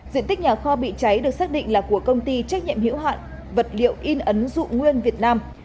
diện tích nhà kho bị cháy được xác định là của công ty trách nhiệm hữu hạn vật liệu in ấn dụ nguyên việt nam